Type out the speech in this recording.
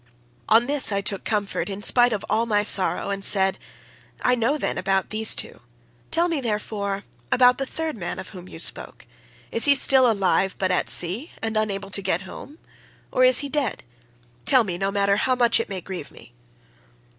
"On this I took comfort in spite of all my sorrow, and said, 'I know, then, about these two; tell me, therefore, about the third man of whom you spoke; is he still alive, but at sea, and unable to get home? or is he dead? Tell me, no matter how much it may grieve me.